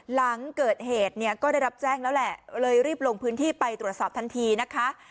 หลังเกิดเหตุเนี่ยก็ได้รับแจ้งแล้วแหละเลยรีบลงพื้นที่ไปตรวจสอบทันทีนะคะ